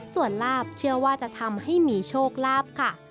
ส่วนลาบเชื่อว่าจะทำให้มีโชคลาภค่ะ